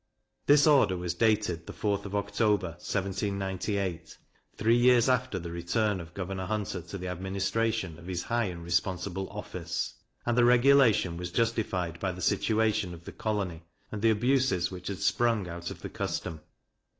This order was dated the 4th of October, 1798, three years after the return of Governor Hunter to the administration of his high and responsible office; and the regulation was justified by the situation of the colony, and the abuses which had sprung out of the custom.